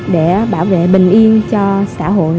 để bảo vệ bình yên cho xã hội